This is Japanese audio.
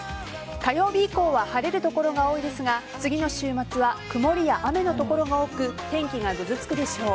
火曜日以降は晴れる所が多いですが次の週末は曇りや雨の所が多く天気がぐずつくでしょう。